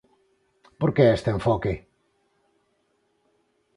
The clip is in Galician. Por que este enfoque?